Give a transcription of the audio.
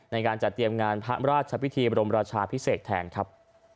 ในการจัดเตรียมงานพระราชพิธีบรมราชาพิเศษแทนครับ